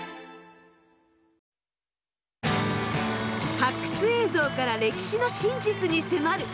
発掘映像から歴史の真実に迫る。